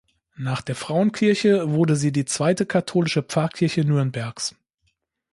Nach der Frauenkirche wurde sie die zweite katholische Pfarrkirche Nürnbergs.